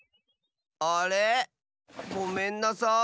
あれごめんなさい。